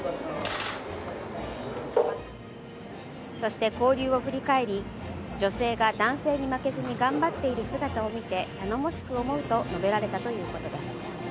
そして交流を振り返り女性が男性に負けずに頑張っている姿を見て頼もしく思うと述べられたということです。